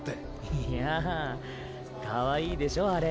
いやあかわいいでしょあれ。